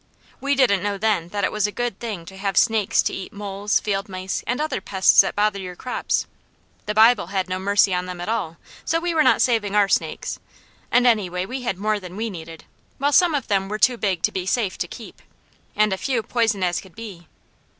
We didn't know then that it was a good thing to have snakes to eat moles, field mice, and other pests that bother your crops; the Bible had no mercy on them at all, so we were not saving our snakes; and anyway we had more than we needed, while some of them were too big to be safe to keep, and a few poison as could be.